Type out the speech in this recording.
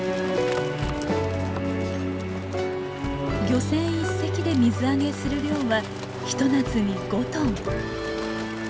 漁船１隻で水揚げする量は一夏に５トン。